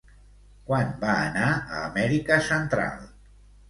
Quan va anar a Amèrica central?